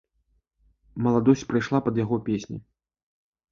Маладосць прайшла пад яго песні.